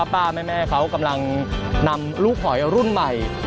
แม่เขากำลังนำลูกหอยรุ่นใหม่